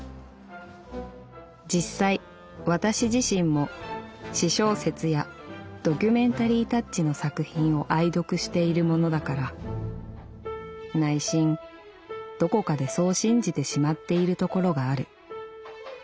実際私自身も私小説やドキュメンタリータッチの作品を愛読しているものだから内心どこかでそう信じてしまっているところがある。